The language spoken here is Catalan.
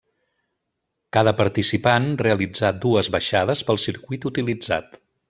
Cada participant realitzà dues baixades pel circuit utilitzat.